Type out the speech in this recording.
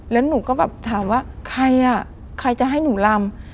แล้วหนูก็ถามว่าใครจะให้หนูลำ